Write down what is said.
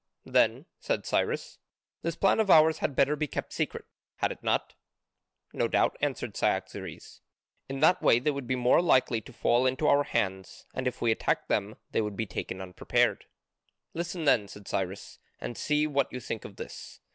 "Then," said Cyrus, "this plan of ours had better be kept secret, had it not?" "No doubt," answered Cyaxares. "In that way they would be more likely to fall into our hands, and if we attack them they would be taken unprepared." "Listen then," said Cyrus, "and see what you think of this.